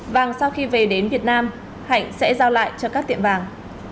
vàng sau khi về đến việt nam hạnh sẽ giao lại cho các tiệm vàng